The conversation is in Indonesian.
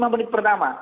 lima menit pertama